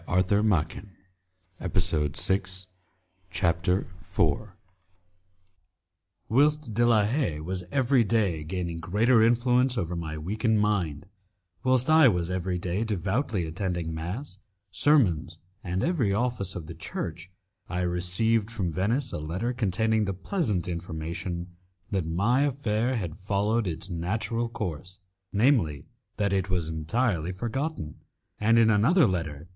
de Bragadin's Palace My Departure for Paris Whilst De la Haye was every day gaining greater influence over my weakened mind, whilst I was every day devoutly attending mass, sermons, and every office of the Church, I received from Venice a letter containing the pleasant information that my affair had followed its natural course, namely, that it was entirely forgotten; and in another letter M.